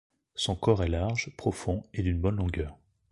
Son corps est large, profond et d'une bonne longueur.